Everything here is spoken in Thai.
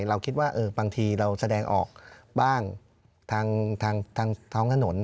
เราคิดว่าบางทีเราแสดงออกบ้างทางท้องถนน